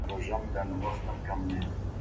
ناشکري مه کوئ.